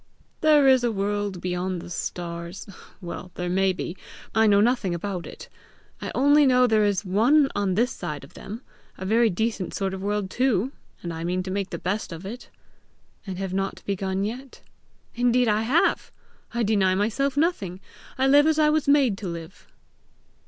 "'There is a world beyond the stars'! Well, there may be; I know nothing about it; I only know there is one on this side of them, a very decent sort of world too! I mean to make the best of it." "And have not begun yet!" "Indeed I have! I deny myself nothing. I live as I was made to live."